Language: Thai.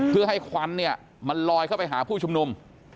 เพื่อให้ควันเนี่ยมันลอยเข้าไปหาผู้ชุมนุม